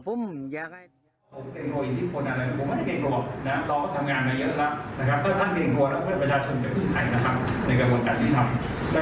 มันไม่ได้นะครับแล้วก็ผมเองต้องปรับมาพบส่วนแล้วว่าเอ้ย